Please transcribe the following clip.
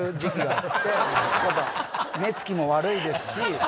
目つきも悪いですし。